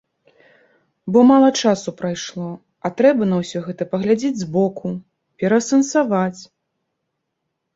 Бо мала часу прайшло, а трэба на ўсё гэта паглядзець з боку, пераасэнсаваць.